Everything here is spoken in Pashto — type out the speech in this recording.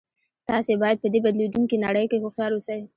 تاسې باید په دې بدلیدونکې نړۍ کې هوښیار اوسئ